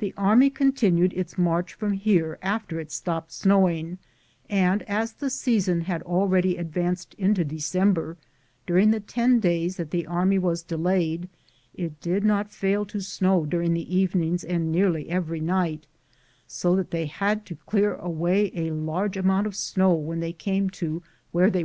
The army continued its march from here after it stopped snowing, and as the season had already advanced into December, during the ten days that the army was delayed, it did not fail to snow during the evenings and nearly every night, so that they had to clear away a large amount of enow when they came to where they wanted to make a camp.